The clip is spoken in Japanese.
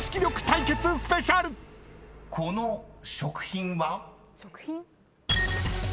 ［この食品は？］